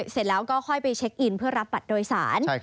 เสร็จแล้วก็ค่อยไปเช็คอินเพื่อรับบัตรโดยสาร